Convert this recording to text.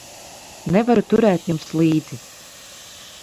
Nevaru turēt jums līdzi.